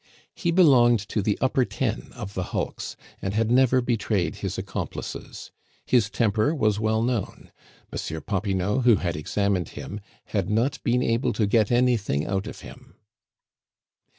He belonged to the "upper ten" of the hulks, and had never betrayed his accomplices. His temper was well known; Monsieur Popinot, who had examined him, had not been able to get anything out of him.